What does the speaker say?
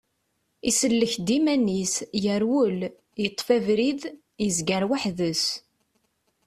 Isellek-d iman-is, yerwel, yeṭṭef abrid, yezger weḥd-s.